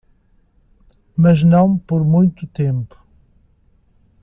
Mas não por muito tempo.